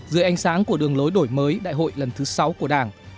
dưới ánh sáng của đường lối đổi mới đại hội lần thứ sáu của đảng